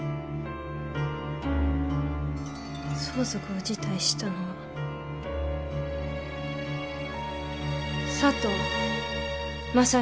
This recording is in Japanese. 相続を辞退したのは佐藤真佐美。